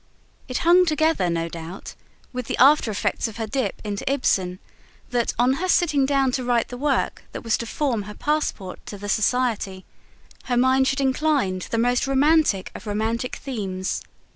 It hung together, no doubt, with the after effects of her dip into Ibsen that, on her sitting down to write the work that was to form her passport to the Society, her mind should incline to the most romantic of romantic themes.